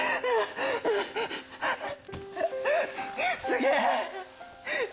すげえ！